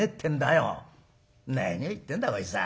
「何を言ってんだこいつは。